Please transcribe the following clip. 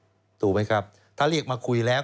ถ้าสมมุติผมมีตำแหน่งใหญ่โตผมต้องระวังตัว